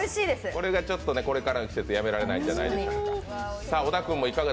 これがこれからの季節やめられないんじゃないでしょうか。